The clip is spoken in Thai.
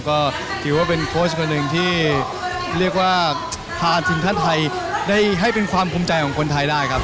ก็ถือว่าเป็นโค้ชคนหนึ่งที่เรียกว่าพาทีมชาติไทยได้ให้เป็นความภูมิใจของคนไทยได้ครับ